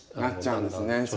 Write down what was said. なっちゃうんですね。